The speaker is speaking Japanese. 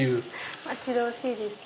待ち遠しいですよね。